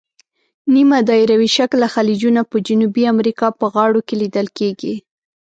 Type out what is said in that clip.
نیمه دایروي شکله خلیجونه په جنوبي امریکا په غاړو کې لیدل کیږي.